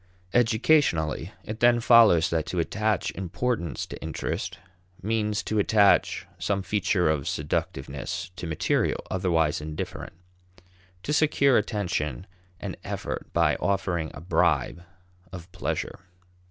Educationally, it then follows that to attach importance to interest means to attach some feature of seductiveness to material otherwise indifferent; to secure attention and effort by offering a bribe of pleasure.